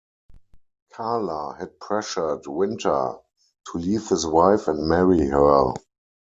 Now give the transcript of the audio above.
Carla had pressured Winter to leave his wife and marry her.